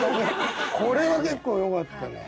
これは結構よかったね。